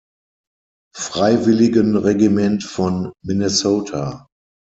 Freiwilligenregiment von Minnesota.